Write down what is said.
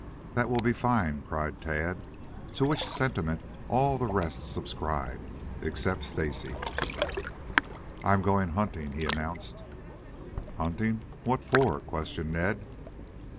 "That will be fine," cried Tad, to which sentiment all the rest subscribed, except Stacy. "I'm going hunting," he announced. "Hunting? What for?" questioned Ned.